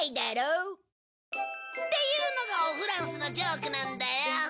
っていうのがおフランスのジョークなんだよ。